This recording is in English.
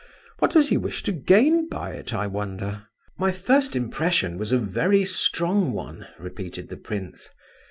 What does he wish to gain by it, I wonder?" "My first impression was a very strong one," repeated the prince.